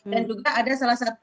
dan juga ada salah satu